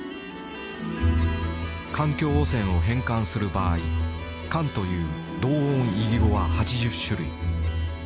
「環境汚染」を変換する場合「かん」という同音異義語は８０種類。